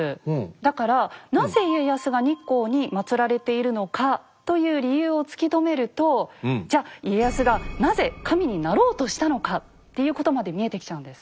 だからなぜ家康が日光にまつられているのかという理由を突き止めるとじゃ家康がなぜ神になろうとしたのかっていうことまで見えてきちゃうんです。